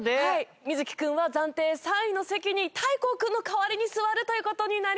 瑞稀くんは暫定３位の席に大光くんの代わりに座るという事になります。